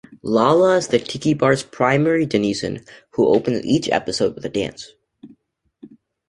Lala is the Tiki Bar's primary denizen who opens each episode with a dance.